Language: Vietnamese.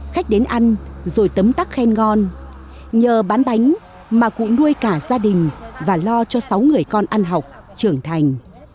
khách đến ăn rồi tấm tắc khen ngon nhờ bán bánh mà cụ nuôi cả gia đình và lo cho sáu người con ăn học trưởng thành